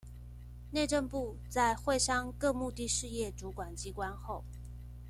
內政部在會商各目的事業主管機關後